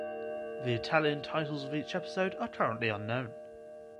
The Italian titles of each episode are currently unknown.